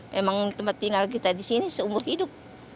memang tempat tinggal kita disini seumur hidup